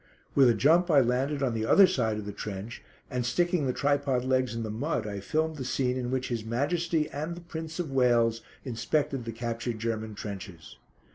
With a jump I landed on the other side of the trench and sticking the tripod legs in the mud I filmed the scene in which His Majesty and the Prince of Wales inspected the captured German trenches.